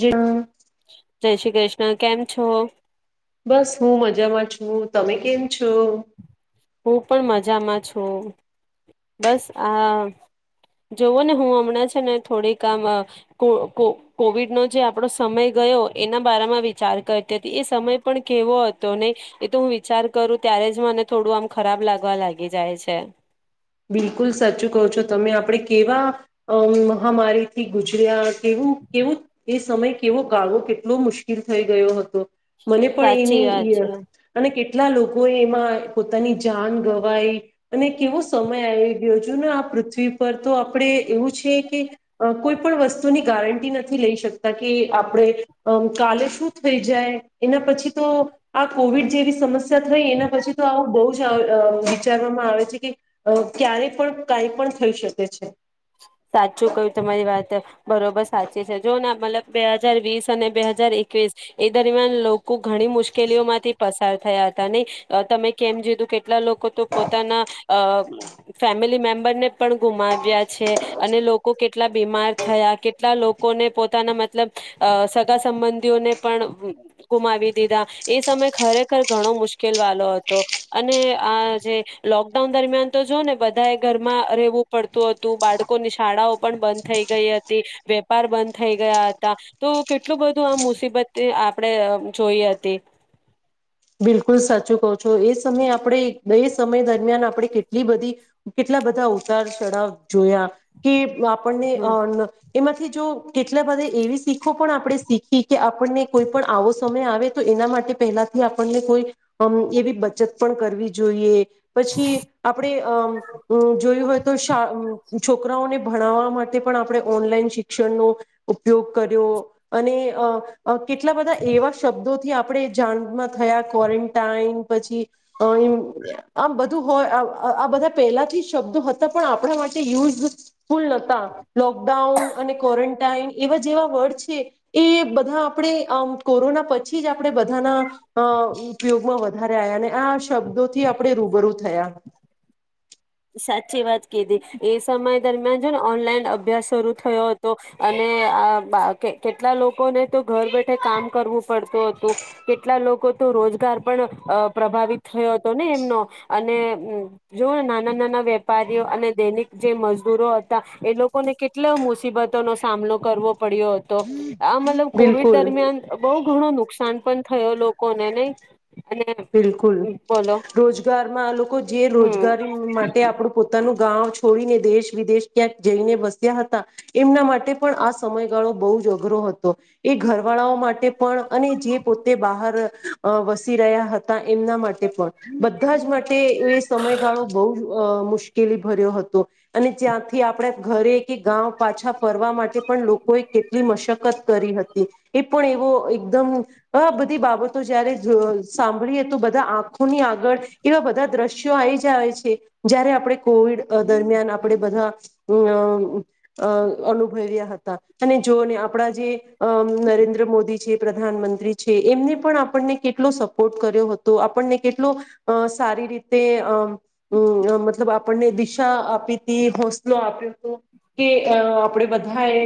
જે [inaudible] જય શ્રી કૃષ્ણ કેમ છો. બસ, હું મજામાં છું તમે કેમ છો. હું, પણ મજામાં છું બસ આ જોવો ને હું હમણાં છે. ને થોડીક આામ કોવિડનો જે આપણો સમય ગયો એના બારામાં વિચાર કરતી હતી એ સમય પણ કેવો હતો ને એ તો હું વિચાર કરું ત્યારે જ મને થોડું આમ. ખરાબ લાગવા લાગી જાય છે. બિલકુલ, સાચું કહો છો. તમે આપણે કેવા મહામારીથી ગુજર્યા. કેવું કેવું [inaudible] સમય કેવો ગાળવો કેટલો મુશ્કેલ થઈ ગયો હતો. મને, પણ સાચી વાત એની છે અને કેટ. કેટલા, લોકો એ એમાં પોતાની જાન ગવાઈ અને કેવો. સમય, આવી ગયોું ને આ પૃથ્વી પર તો આપણે એવું છે કે કોઈ પણ વસ્તુની ગારંટી નથી લઈ શકતા કે આપણેમ કાલે શું થઈ જાય એના પછી તો આ કોવિડ જેવી સમસ્યા થઈ એના પછી તો આવું બહુ જ વિચારવામાં આવે છે કે. અ ક્યારે, પણ કઈ પણ થઈ શકે છે. સાચું કયું તમારી વાત. બરોબર, સાચી છે જો મતલબ બે હાજાર વીસ અને બે હાજાર એકવીસ એ દરમિયાન લોકો ઘણી મુશ્કેલીઓ માંથી પસાર થયા હતા નહી તમે કેમ જીધું કેટલા લોકો તો પોતાના અ ફેમિલી મેમ્બર ને. પણ ગુમાવ્યા છે. અને લોકો કેટલા. કેટલા, બીમાર થયા કેટલા લોકોને પોતાના મતલબ સગા સંબંધીઓને પણ ગુમાવી દીધા એ સમય ખરેખર ઘણો મુશ્કેલ વાળો હતો અને આ જે લોકડાઉન દરમિયાન તો જો ને બધાએ ઘરમાં રહેવું પડતું હતું બાળકો. લોકોની શાળાઓ પણ બંધ થઈ ગઈ હતી વેપાર બંધ થઈ ગયા હતા તો કેટલું બધું આ મુસીબત આપણે જોઈ હતી. બિલકુલ, સાચું કહો છો એ સમયે આપણે એ સમય દરમિયાન આપણે કેટલી બધી કેટલા બધા ઉતાર ચઢાવ. જોયા કે આપણને હમ અ એમાંથી જો કેટલા બધા એવી શીખ ખો પણ આપણે શીખી કે આપણને કોઈ પણ આવો સમય આવે તો એના માટે પહેલા થી આપણને કોઈ અમ એવી બચત પણ કરવી જોઈએ. પછી આપણે અમ અમ જોયું હોય તો શા અમ છોકરાઓને ભણાવવા માટે પણ આપણે ઓનલાઈન શિક્ષણનો ઉપયોગ કર્યો અને અ કેટલા બધા એવા શબ્દોથી આપ આપણે જાનમાં થયા ક્વોરંનટાઈન પછી અહીં આમ બધું હોય આ આ બધા પહેલાથી શબ્દો હતા પણ આપણા માટે યુઝફુલ નતા લોકડાઉન અને ક્વોરંનટાઈન એવા જેવા વર્ડ છે એ બધા આપણે આ કોરોના પછી જ આપણે બધાના અ ઉપયોગમાં વધારે આયા અને આ શબ્દોથી આપણે રૂબરૂ થયા. સાચી વાત કીધી. એ સમય દરમિયાન છે ને ઓનલાઇન અભ્યાસ શરૂ થયો હતો અને આ બા કેટ કેટલા લોકોને તો ઘર બેઠા કામ કરવું પડતું હતું. કેટલા લોકો તો રોજગાર પણ પ્રભાવિત થયો હતો ને એમનો અને જોને ના નાના નાના વેપારીઓ અને દૈનીક જે મજદૂરો હતા એ લોકોને કેટલા મુસીબતોનો સામનો કરવો પડ્યો હતો. આ મતલબ કોવિડ બિલકુલ દરમિયાન બહુ ઘણોનું નુકશાન પણ થયો લોકોને નહીં? બિલકુલ, રોજગારમાં લો જે હમ રોજગારી માટે આપડું પોતાનું ગાવ છોડીને દેશ વિદેશ ક્યાંક જઈને વસ્યા હતા. એમના માટે પણ આ સમયગાળો બહુ જ અઘરો હતો. એ ઘરવાળાઓ માટે પણ અને જે પોતે બહાર અ વસી રહ્યા હ તા. એમના માટે પણ બધા જ મા ટે એ સમયગાળો બઉ જ અઅ મુશ મુશ્કેલી ભર્યો હતો અને જ્યાંથી આપડે ઘરે કે ગાવ પાછા ફરવા માટે પણ લોકોએ કેટલી મશકત કરી હતી. એ પણ એવો એકદમ આ બધી બાબતો જયારે જ સા ળીએ તો બધા આંખોની આગળ કેવા બધા દ્રશ્યો આવી જ આવે છે. જયારે આપણે કોવિડ દરમિયાન આપણે બધા અઅ અનુભવ્યા હતા અને જો ને આપણા જે અઅ નરેન્દ્ર મોદી છે પ્રધાનમંત્રી છે એમને પણ આપણને કેટલો સપ ટ કર્યો હતો આપણને કેટલો અ સારી રીતે અ મતલબ આપણને દિશા આપી તી, હોસલો આપ્યો તો. કે આપણે બધાએ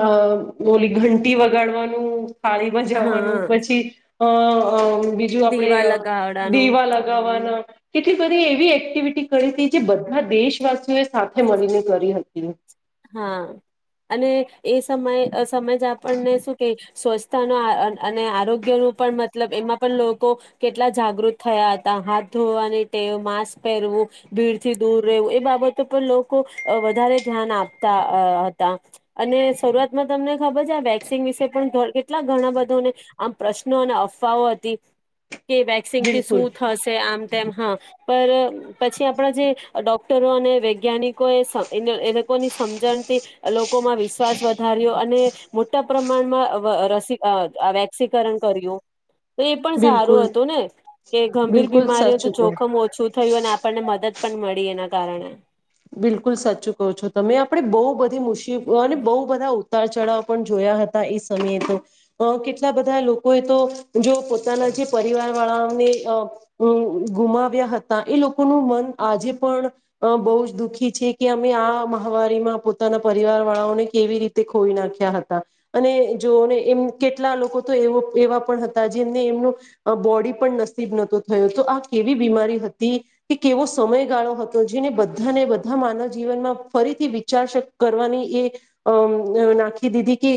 અઅ બોલી ઘંટી વગાડવાનું પાાળીમાં જવાનું હા પછી અઅ બીજું આપડે દીવા અઅ લગાવડાનું દીવા લગાવાના કેટલી બધી એવી એક્ટિવિટી કરી તી જે બધા દેશવાસીઓએ સાથે મળીને કરી હતી. હા, અને એ સમય સમય જે આપણને શું કે સ્વચ્છતા ન અન અન અને આરોગ્યનું પણ મતલબ એમાં પણ લોકો કેટલા જાગૃત થયા હતા. હાથ ધોવાની ટેવ, માસ્ક પહેરવું, ભીડથી દૂર રહેવું એ બાબતો પર લોકો વધારે ધ્યાન આપ તા અ હતા અને શરૂઆતમાં તમને ખબર છે આ વેક્સિન વિશે પણ ઘર કેટલા ઘણા બધાને આમ પ્રશ્નો અને અફવાઓ હતી. કે વેક્સિનથી બિલકુલ શું થશે આમ તેમ હા પર પછી આપણા જે ડોક્ટરો અને વૈજ્ઞાનિકોએ સમ એ લોકોની સમ સમજણથી અ લોક - લોકો માં વિશ્વાસ વધાર્યો અને મોટા પ્રમાણમાં વ વ રસી વેક્સીકરણ કર્યું. તો એ પણ બિલકુલ સારું હતું ને કે ગંભીર બિલકુલ બીમારીઓ તો સાચું કહો જોખમ ઓછું થયું અને આપણને મદદ પણ મળી એના કારણે બિલકુલ સાચું કહો છો તમે આપણે બો બધી મુશ્કેલી અને બહુ બધા ઉતાર ચઢાવ પણ જોયા હતા એ સમયે તો, અ કેટલા બધા લોકોએ તો જો પોતાના જે પરિવાર વાળાને અ ગુમાવ્યા હતા. એ લોકોનું મન આજે પણ બો જ દુખી છે કે અમે આ મહામારીમાં પોતાના પરિવાર વાળાઓને કેવી રીતે ખોવી નાખ્યા હતા અને જોને એમ કેટલા લોકો તો એ એવા પણ હતા, જેમને એમનું બોડી પણ નસીબ નતું થયુ તો આ કેવી બીમારી હતી કે કેવો સમયગાળો હતો જેને બધ બધાને બધા માનવ જીવનમાં ફરીથી વિચાર શક કરવાની અ એ નાખી દીધી કે